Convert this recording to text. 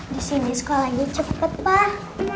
disini sekolahnya cepet pak